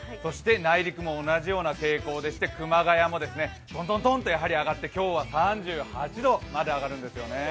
内陸も同じような傾向でして熊谷もトトトンとやはり上がって、今日は３８度まで上がるんです。